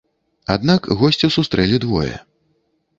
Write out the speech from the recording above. Аднак госцю сустрэлі двое.